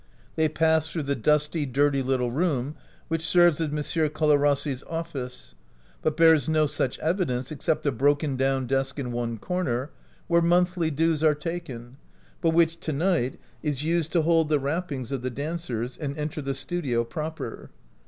They pass through the dusty, dirty little room which serves as M. Colarrossi's office — but bears no such evidence except a broken down desk in one corner, where monthly dues are taken, but which to night is used to hold the wrappings of the dancers — and enter the studio proper.